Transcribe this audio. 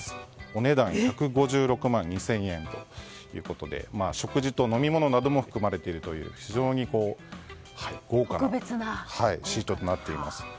お値段１５６万２０００円ということで食事と飲み物なども含まれていて非常に豪華なシートとなっています。